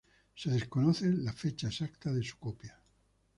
Se desconoce la fecha exacta de su copia.